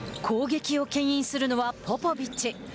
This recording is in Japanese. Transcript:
攻撃をけん引するのはポポビッチ。